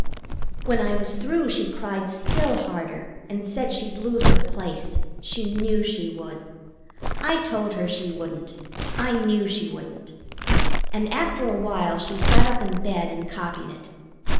When I was through she cried still harder, and said she'd lose her place. She knew she would. I told her she wouldn't. I knew she wouldn't. And after a while she sat up in bed and copied it.